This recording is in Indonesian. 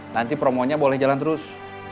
nanti promonya boleh jalan terus